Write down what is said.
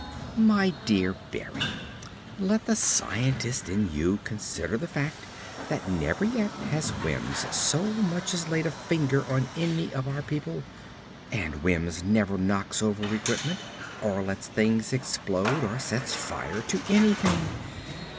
"My dear Berry, let the scientist in you consider the fact that never yet has Wims so much as laid a finger on any of our people. And Wims never knocks over equipment, or lets things explode, or sets fire to anything.